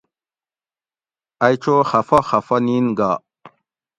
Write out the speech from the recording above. ائی چو خفہ خفہ نِین گا